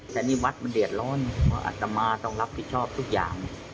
แต่นี่วัดมันเดือดร้อนเพราะอัตมาต้องรับผิดชอบทุกอย่าง